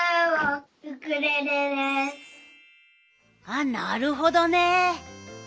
ああなるほどね！